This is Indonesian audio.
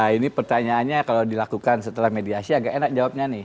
ini pertanyaannya kalau dilakukan setelah mediasi agak enak jawabnya nih